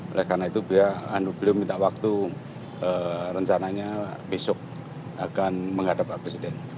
oleh karena itu beliau minta waktu rencananya besok akan menghadap pak presiden